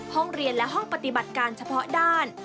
ห้องเรียนและห้องปฏิบัติการเฉพาะด้าน